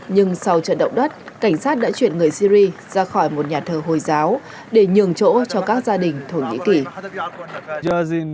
nhưng sau trận động đất cảnh sát đã chuyển người syri ra khỏi một nhà thờ hồi giáo để nhường chỗ cho các gia đình thổ nhĩ kỳ